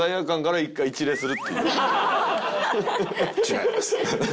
違います。